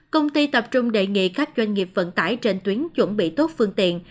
công ty tập trung đề nghị các doanh nghiệp vận tải trên tuyến chuẩn bị tốt phương tiện